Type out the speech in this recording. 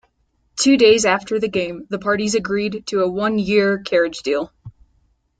Two days after the game, the parties agreed to a one-year carriage deal.